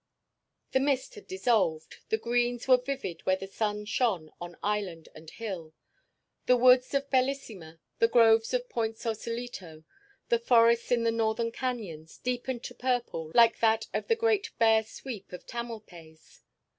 The mist had dissolved. The greens were vivid where the sun shone on island and hill. The woods of Bellissima, the groves of Point Sausalito, the forests in the northern canyons, deepened to purple like that of the great bare sweep of Tamalpais.